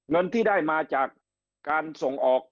เงินที่ได้มาจากการส่งออก